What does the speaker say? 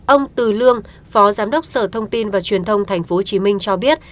ông từ lương phó giám đốc sở thông tin và truyền thông tp hcm cho biết